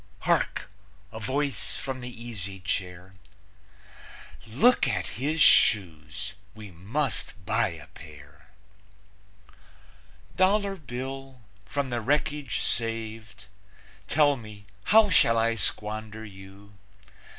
(Hark! A voice from the easy chair: "Look at his shoes! We must buy a pair.") Dollar Bill, from the wreckage saved, Tell me, how shall I squander you?